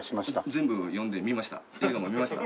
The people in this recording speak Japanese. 全部読んで見ました。